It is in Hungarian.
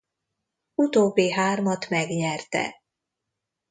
Utóbbi hármat megnyerte.